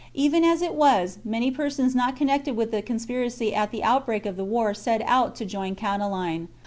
Even as it was, many persons not connected with the conspiracy, at the outbreak of the war set out to join Catiline.